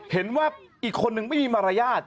เห็นว่าอีกคนนึงไม่มีมารยาท